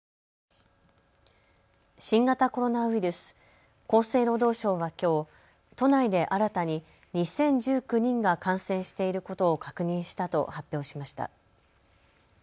新型コロナウイルス、厚生労働省はきょう、都内で新たに２０１９人が感染していることを確認したと発表しました。